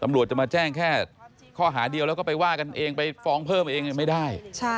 ตำรวจจะมาแจ้งแค่ข้อหาเดียวแล้วก็ไปว่ากันเองไปฟ้องเพิ่มเองไม่ได้